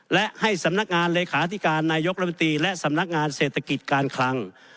และให้สำนักงานเลขาธิการนายกรัฐมนตรีและสำนักงานเศรษฐกิจการคลัง